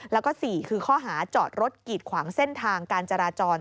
แล้วก็๔คือข้อหาจอดรถกีดขวางเส้นทางการจราจร